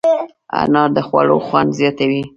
انار د خوړو خوند زیاتوي.